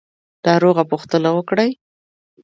ناروغه پوښتنه وکړئ